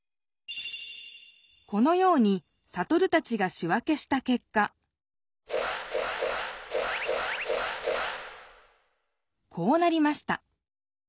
このようにサトルたちがし分けしたけっかこうなりました。